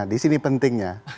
di sini pentingnya